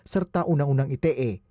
serta undang undang ite